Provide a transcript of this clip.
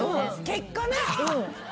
結果ね。